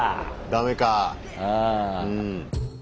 ダメか。